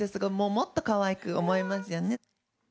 もっとかわいく思いますよね。